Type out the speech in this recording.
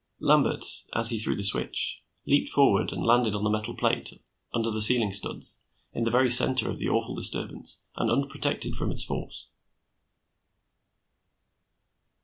Lambert, as he threw the switch, leaped forward and landed on the metal plate under the ceiling studs, in the very center of the awful disturbance and unprotected from its force.